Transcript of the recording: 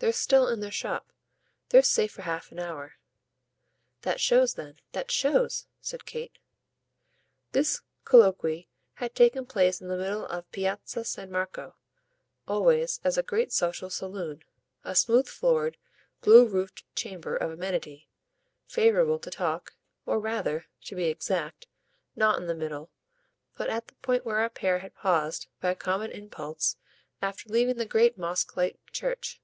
"They're still in their shop. They're safe for half an hour." "That shows then, that shows!" said Kate. This colloquy had taken place in the middle of Piazza San Marco, always, as a great social saloon, a smooth floored, blue roofed chamber of amenity, favourable to talk; or rather, to be exact, not in the middle, but at the point where our pair had paused by a common impulse after leaving the great mosque like church.